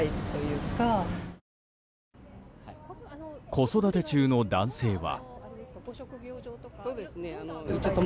子育て中の男性は。